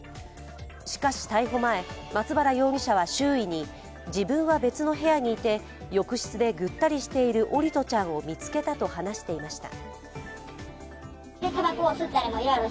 しかし逮捕前、松原容疑者は周囲に、自分は別の部屋にいて、浴室でぐったりしている桜利斗ちゃんを見つけたと話していました。